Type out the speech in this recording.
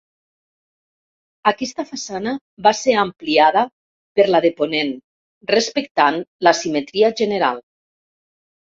Aquesta façana va ser ampliada per la de ponent, respectant la simetria general.